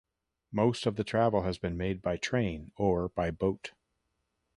Most of the travel has been made by train or by boat.